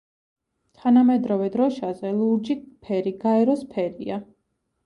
თანამედროვე დროშაზე ლურჯი ფერი გაეროს ფერია.